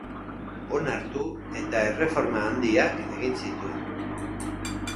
Onartu eta erreforma handiak egin zituen.